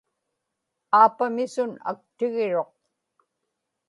aapamisun aktigiruq